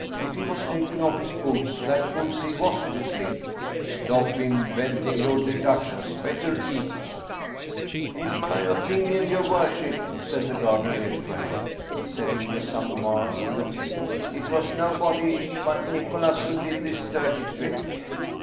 If he was taking off his boots, that proves that he wasn't asleep !"" Stop inventing your deductions ! Better eat !"" In my opinion, your worship," said the gardener Ephraim, setting the samovar on the table, " it was no body but Nicholas who did this dirty trick